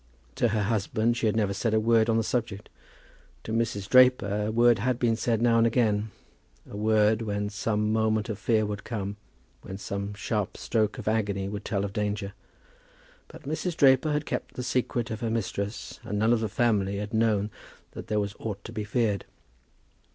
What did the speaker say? To her husband she had never said a word on the subject. To Mrs. Draper a word had been said now and again, a word when some moment of fear would come, when some sharp stroke of agony would tell of danger. But Mrs. Draper had kept the secret of her mistress, and none of the family had known that there was aught to be feared.